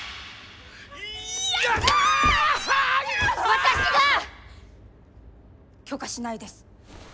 私が許可しないです！